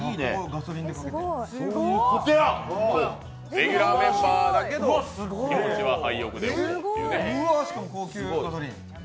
レギュラーメンバーだけど気持ちはハイオクっていうね。